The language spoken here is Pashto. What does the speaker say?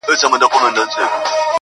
زخمي مي کوچۍ پېغلي دي د تېښتي له مزلونو٫